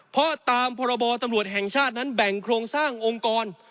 เพราะตามพรบตำรวจแห่งชาตินั้นแบ่งโครงสร้างองค์กร